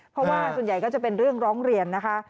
เพราะว่าส่วนใหญ่ก็จะเป็นเรื่องร้องเรียนนะคะ